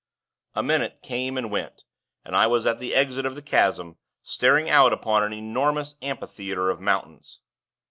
A minute came and went, and I was at the exit of the chasm, staring out upon an enormous amphitheatre of mountains.